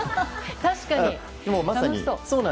確かに、楽しそう。